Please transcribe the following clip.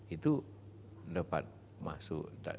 itu dapat masuk